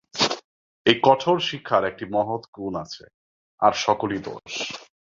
এই কঠোর শিক্ষার একটি মহৎ গুণ আছে, আর সকলই দোষ।